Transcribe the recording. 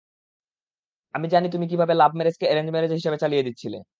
আমি জানি তুমি কীভাবে লাভ ম্যারেজকে এ্যারেঞ্জ ম্যারেজে হিসেবে চালিয়ে দিচ্ছিলে।